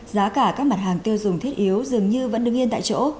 giá cả các mặt hàng tiêu dùng thiết yếu dường như vẫn đứng yên tại chỗ